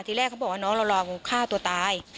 ที่แรกเขาบอกว่าน้องเรารอฆ่าตัวตาย